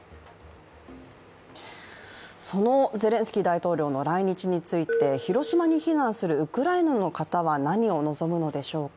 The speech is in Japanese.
そのゼレンスキー大統領の来日について広島に避難するウクライナの方は何を望むのでしょうか。